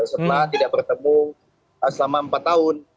setelah tidak bertemu selama empat tahun